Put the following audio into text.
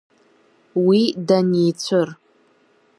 Уи даницәыр…